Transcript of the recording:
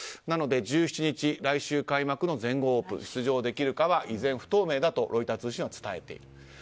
なので１７日、来週開幕の全豪オープンに出場できるかは依然不透明だとロイター通信は伝えている。